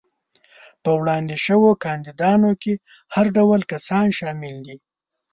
په وړاندې شوو کاندیدانو کې هر ډول کسان شامل دي.